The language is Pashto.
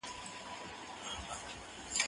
زه به خبري کړې وي؟